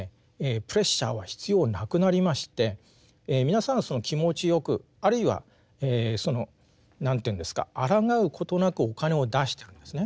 プレッシャーは必要なくなりまして皆さん気持ちよくあるいはその何ていうんですかあらがうことなくお金を出してるんですね。